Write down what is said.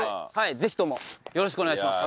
ぜひともよろしくお願いします。